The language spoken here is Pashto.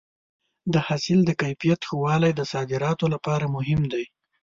د حاصل د کیفیت ښه والی د صادراتو لپاره مهم دی.